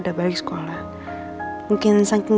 jangan terlalu berpikir pikir